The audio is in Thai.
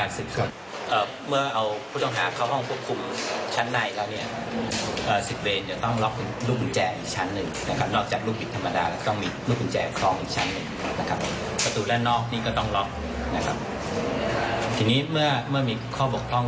นิดแล้วก็ต้องมีต้านึกว่ามีแสวเช็ดทุเร่อไม่ต้องล๊อคนะครับทีนี้เมื่อไม่มีข้อบอกต้อง